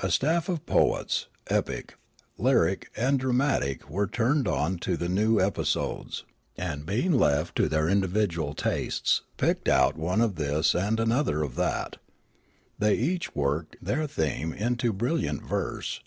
A staff of poets — epic, lyric, and dramatic — were turned on to the new episodes, and, being left to their individual tastes, picked out one this and another that. They each worked their theme into brilliant verse.